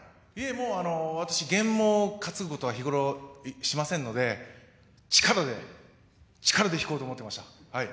もう験も担ぐとかは日頃しませんので、力で、力で引こうと思っていました。